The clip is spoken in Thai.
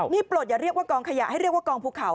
นี่ปลดอย่าเรียกว่ากองขยะให้เรียกว่ากองภูเขา